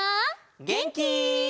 げんき？